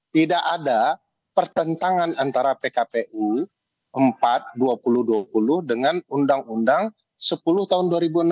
tidak ada pertentangan antara pkpu empat dua ribu dua puluh dengan undang undang sepuluh tahun dua ribu enam belas